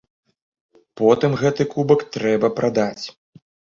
Потым гэты кубак трэба прадаць.